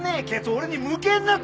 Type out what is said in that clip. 俺に向けんなて！